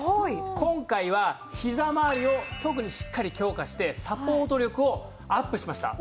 今回はひざまわりを特にしっかり強化してサポート力をアップしました。